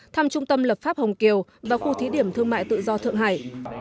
thăm trung tâm lập pháp hồng kiều và khu thí điểm thương mại tự do thượng hải